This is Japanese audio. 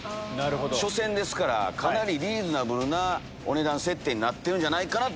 初戦ですからかなりリーズナブルな値段設定になってるんじゃないかなって